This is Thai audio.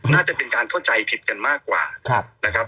น่าจะเป็นการเข้าใจผิดกันมากกว่านะครับ